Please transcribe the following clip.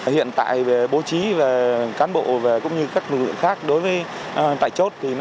hiện tại bố trí cán bộ cũng như các lưu lượng khác đối với tại chốt